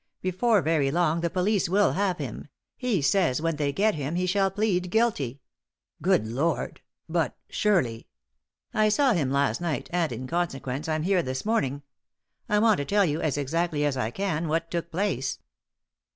Before very long the police will hare him ; he says when they get him he shall plead guilty." " Good Lord 1 But— surely "" I saw him last night, and, in consequence, I'm here this morning. I want to tell you, as exactly as I can, what took place."